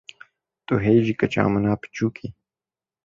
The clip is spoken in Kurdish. Tu hê jî keça min a biçûk î.